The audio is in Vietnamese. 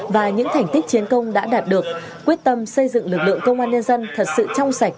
và những thành tích chiến công đã đạt được quyết tâm xây dựng lực lượng công an nhân dân thật sự trong sạch